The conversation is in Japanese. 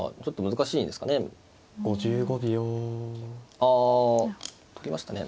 あ取りましたね。